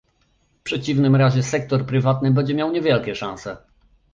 W przeciwnym razie sektor prywatny będzie miał niewielkie szanse